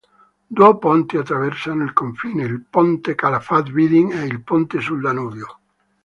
Due ponti attraversano il confine: il ponte Calafat-Vidin e il ponte sul Danubio.